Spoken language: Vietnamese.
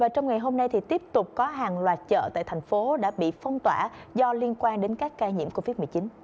trong ngày hôm nay tiếp tục có hàng loạt chợ tại thành phố đã bị phong tỏa do liên quan đến các ca nhiễm covid một mươi chín